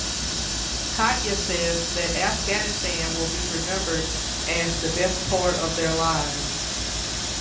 Katya says that Afghanistan will be remembered as the best part of their lives.